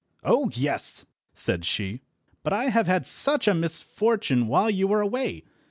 "Oh yes!" said she, "but I have had such a misfortune while you were away.